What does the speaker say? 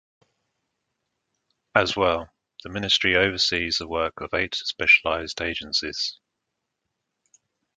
As well, the ministry oversees the work of eight specialized agencies.